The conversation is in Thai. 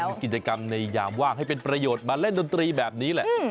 มีกิจกรรมในยามว่างให้เป็นประโยชน์มาเล่นดนตรีแบบนี้แหละ